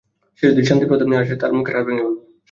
সে যদি শান্তি প্রস্তাব নিয়ে আসে তার মুখের হাড় ভেঙে ফেলবো।